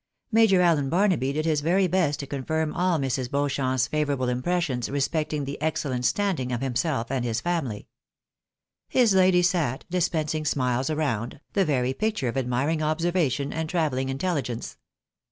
Major Allen Barnaby did his very best to confirm all Mrs. Beauchamp's favourable impressions respecting the ex cellent standing of himself and his family. His lady sat, dispensing smiles around, the very picture of admiring observation and travel ling intelligence.